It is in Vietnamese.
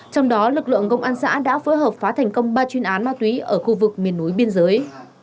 trong đó lực lượng công an xã đã phối hợp phá thành công ba chuyên án ma túy ở khu vực miền núi biên giới